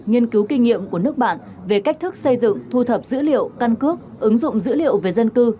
nghiên cứu kinh nghiệm của nước bạn về cách thức xây dựng thu thập dữ liệu căn cước ứng dụng dữ liệu về dân cư